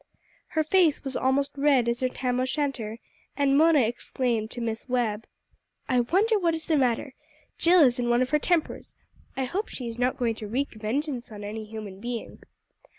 Her face was almost as red as her Tam o' Shanter, and Mona exclaimed to Miss Webb "I wonder what is the matter! Jill is in one of her tempers. I hope she is not going to wreak vengeance on any human being."